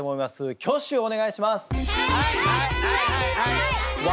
挙手をお願いします。